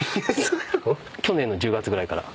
去年の１０月ぐらいから。